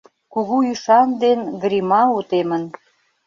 Кугу ӱшан ден Гримау темын.